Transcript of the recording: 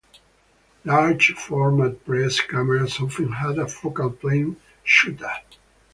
Large-format press cameras often had a focal-plane shutter.